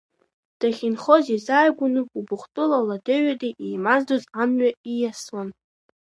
Дахьынхоз иазааигәаны, Убыхтәыла ладеи ҩадеи еимаздоз амҩа ииасуан.